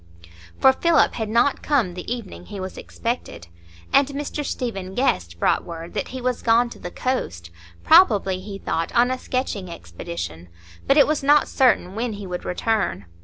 For Philip had not come the evening he was expected, and Mr Stephen Guest brought word that he was gone to the coast,—probably, he thought, on a sketching expedition; but it was not certain when he would return.